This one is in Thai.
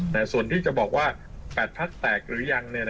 แต่ส่วนที่จะบอกว่า๘พักแตกหรือยัง